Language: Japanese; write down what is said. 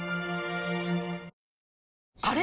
あれ？